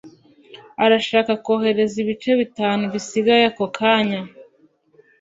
urashaka kohereza ibice bitanu bisigaye ako kanya